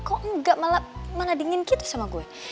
kok enggak malah dingin kita sama gue